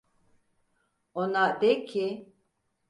Ona de ki…